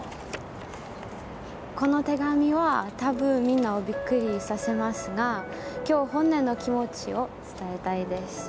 この手紙は、多分みんなをびっくりさせますが今日、本音の気持ちを伝えたいです。